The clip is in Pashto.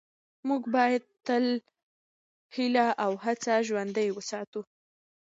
موږ باید تل هیله او هڅه ژوندۍ وساتو